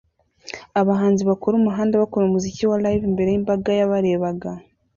Abahanzi bakora umuhanda bakora umuziki wa Live imbere yimbaga yabarebaga